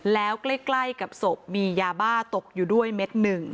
แล้วใกล้กับศพมียาบ้าตกอยู่ด้วยเม็ดหนึ่ง